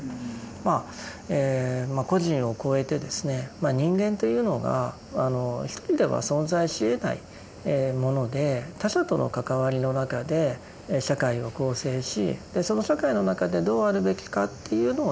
まあ個人を超えてですね人間というのが一人では存在しえないもので他者との関わりの中で社会を構成しその社会の中でどうあるべきかっていうのをですね